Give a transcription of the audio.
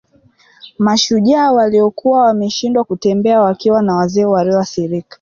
Mashujaa waliokuwa wameshindwa kutembea wakiwa na wazee walioathirika